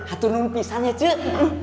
hatunumpisan ya cuk